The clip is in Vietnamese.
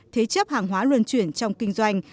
thế chấp hàng hóa luân chuyển trong kinh doanh